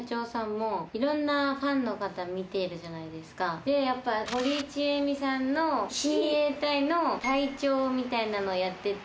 話を聞いたこちらは堀ちえみさんの親衛隊の隊長みたいなのやってて。